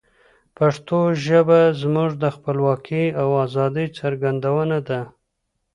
پښتو ژبه زموږ د خپلواکۍ او آزادی څرګندونه ده.